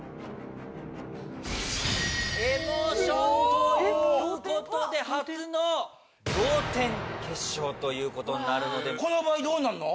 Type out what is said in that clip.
エモーションということで初の同点決勝ということになるのでこの場合どうなんの？